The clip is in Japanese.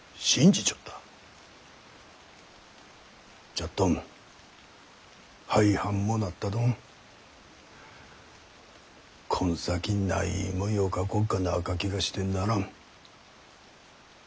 じゃっどん廃藩もなったどんこん先何もよかこっがなか気がしてならん。